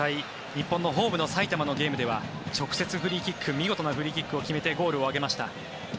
日本のホームの埼玉のゲームでは直接フリーキック見事なフリーキックを決めてゴールを決めました。